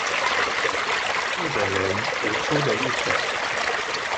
日本人傑出的一手